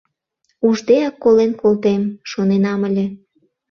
Уждеак колен колтем, шоненам ыле.